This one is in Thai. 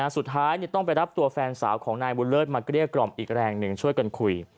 สุดท้ายต้องไปรับตัวแฟนสาวของนายบุญเลิศมาเกลี้ยกล่อมอีกแรงหนึ่งช่วยกันคุย